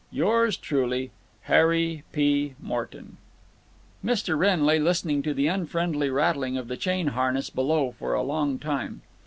Yours truly, HARRY P. MORTON. Mr. Wrenn lay listening to the unfriendly rattling of the chain harness below for a long time.